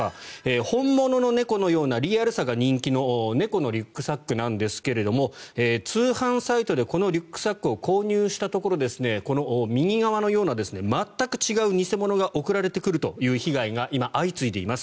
本物の猫のようなリアルさが人気の猫のリュックサックなんですが通販サイトでこのリュックサックを購入したところ右側のような全く違う偽物が送られてくるという被害が今、相次いでいます。